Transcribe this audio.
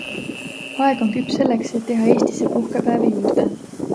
Aeg on küps selleks, et teha Eestisse puhkepäevi juurde.